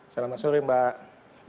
selamat sore mbak